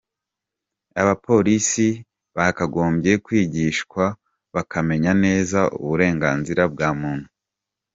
Abapolisi bakagombye kwigishwa, bakamenya neza uburenganzira bwa muntu.